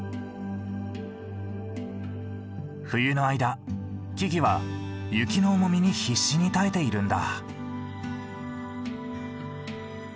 冬の間木々は雪の重みに必死に耐えているんだ。